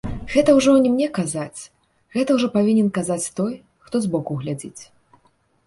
Гэта ўжо не мне казаць, гэта ўжо павінен казаць той, хто збоку глядзіць.